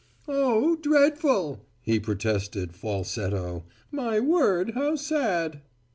"Oh, dreadful!" he protested, falsetto. "My word, how sad!"